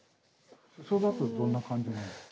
・裾だとどんな感じなんですか？